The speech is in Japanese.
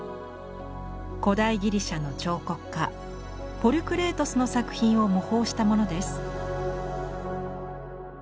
古代ギリシャの彫刻家ポリュクレイトスの作品を模倣したものです。